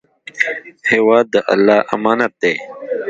هېواد د الله امانت دی.